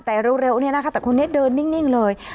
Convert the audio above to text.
แต่เร็วเนี่ยนะคะแต่คนนี้เดินนิ่งเลย